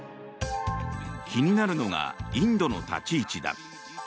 気になるのがインドの立ち位置だ。